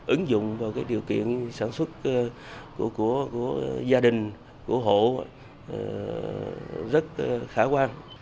ứng dụng vào điều kiện sản xuất của gia đình của hộ rất khả quan